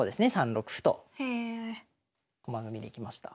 ３六歩と駒組みにいきました。